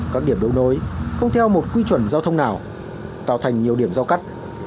các điểm đấu nối không theo một quy chuẩn giao thông nào tạo thành nhiều điểm giao cắt